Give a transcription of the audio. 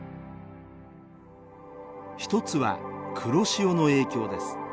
一つは黒潮の影響です。